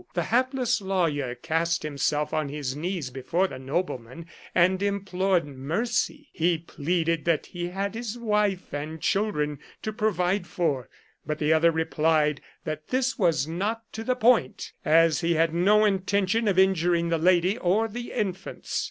The hapless lawyer cast himself on his knees before the nobleman, and implored mercy. He pleaded that he had his wife and children to provide for ; but the other replied that this was not to the point, as he had no intention of injuring the lady or the infants.